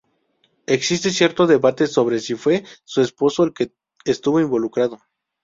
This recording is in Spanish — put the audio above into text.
Existe cierto debate sobre si fue su esposo el que estuvo involucrado.